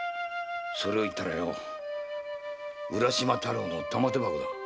それを言ったら浦島太郎の玉手箱だ。